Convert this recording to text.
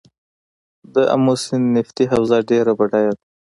د امو سیند نفتي حوزه ډیره بډایه ده